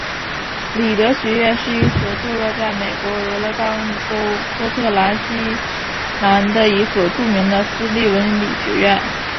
里德学院是一所坐落在美国俄勒冈州波特兰市西南的一所著名的私立文理学院。